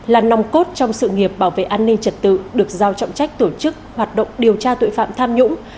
là nòng cốt trong sự nghiệp bảo vệ an ninh trật tự được giao trọng trách tổ chức hoạt động điều tra tội phạm tham nhũng